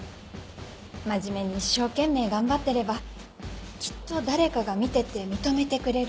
真面目に一生懸命頑張ってればきっと誰かが見てて認めてくれる。